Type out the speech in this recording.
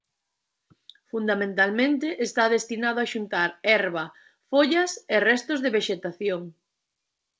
Fundamentalmente está destinado a xuntar herba, follas e restos de vexetación.